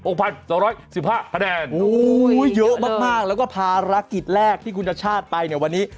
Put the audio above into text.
โอ้โหเยอะมากแล้วก็ภารกิจแรกที่คุณชัชชาติไปเนี่ยวันนี้